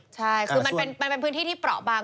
ใช่คือมันเป็นพื้นที่ที่เปราะบาง